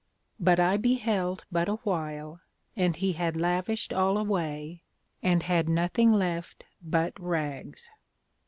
But I beheld but a while, and he had lavished all away, and had nothing left but Rags.